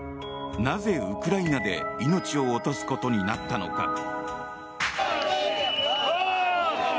なぜウクライナで命を落とすことになったのか。